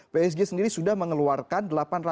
psg sendiri sudah mengeluarkan delapan ratus lima puluh